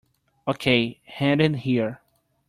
Okay, hand it here.